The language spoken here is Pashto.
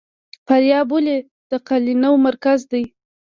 فاریاب ولې د قالینو مرکز دی؟